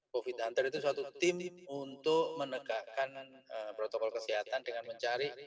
covid hunter itu suatu tim untuk menegakkan protokol kesehatan dengan mencari